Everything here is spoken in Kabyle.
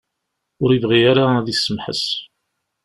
Ur ibɣi ara ad d-isemḥes.